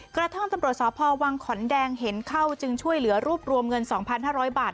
กระทั่งตำรวจสพวังขอนแดงเห็นเข้าจึงช่วยเหลือรวบรวมเงิน๒๕๐๐บาท